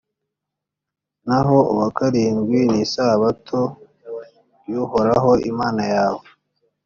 naho uwa karindwi ni isabato y’uhoraho imana yawe.